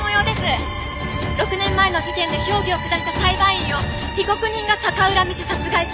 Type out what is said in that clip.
６年前の事件で評議を下した裁判員を被告人が逆恨みし殺害する。